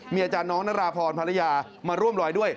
มีอาจารย์น้องนราพรภรรยามาร่วมรอยด้วย